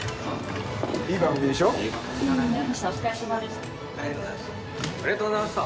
兇い泙靴ありがとうございました。